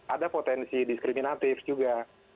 ada potensi diskriminatif juga